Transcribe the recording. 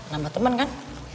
nambah temen kan